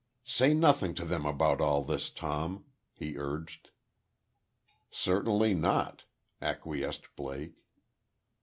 "Say nothing to them about all this, Tom," he urged. "Certainly not," acquiesced Blake.